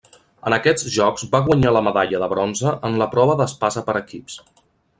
En aquests Jocs va guanyar la medalla de bronze en la prova d'espasa per equips.